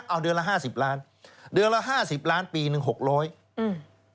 เอาเดือนละ๕๐ล้านเดือนละ๕๐ล้านปีหนึ่ง๖๐๐อืม